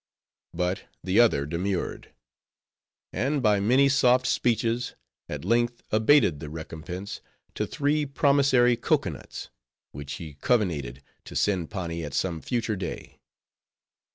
But the other demurred; and by many soft speeches at length abated the recompense to three promissory cocoanuts, which he covenanted to send Pani at some future day.